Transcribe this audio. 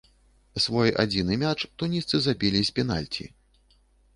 Свой адзіны мяч тунісцы забілі з пенальці.